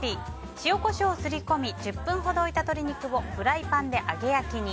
塩、コショウをすり込み１０分ほど置いた鶏肉をフライパンで揚げ焼きに。